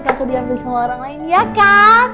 kalau aku diambil sama orang lain ya kan